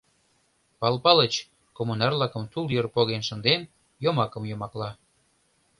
Пал Палыч, коммунар-влакым тул йыр поген шынден, йомакым йомакла.